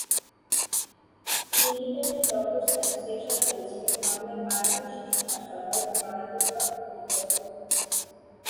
Independent doctors association বলছে, হামলায় বায়ান শিশু হাসপাতাল মারাত্মকভাবে ক্ষতিগ্রস্ত হয়েছে।